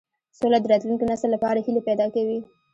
سوله د راتلونکي نسل لپاره هیلې پیدا کوي.